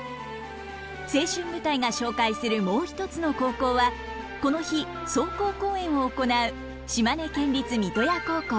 「青春舞台」が紹介するもう一つの高校はこの日壮行公演を行う島根県立三刀屋高校。